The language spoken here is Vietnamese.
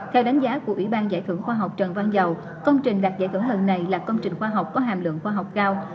theo đánh giá của ủy ban giải thưởng khoa học trần văn dầu công trình đạt giải thưởng lần này là công trình khoa học có hàm lượng khoa học cao